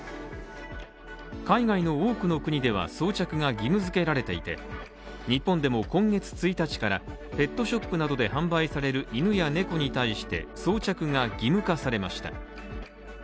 海外の多くの国では装着が義務付けられていて、日本でも今月１日からペットショップなどで販売される犬や猫に対して、装着が義務化されました。